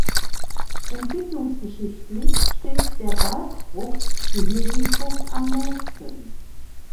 Entwicklungsgeschichtlich steht der Balgfrucht die Hülsenfrucht am nächsten.